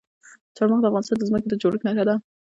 چار مغز د افغانستان د ځمکې د جوړښت نښه ده.